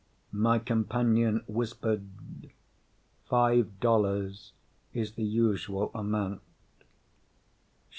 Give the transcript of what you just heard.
My companion whispered, "Five dollars is the usual amount."